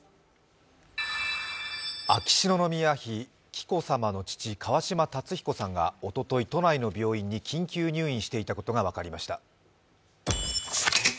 秋篠宮妃・紀子さまの父・川嶋辰彦さんがおととい都内の病院に緊急入院していたことが分かりました。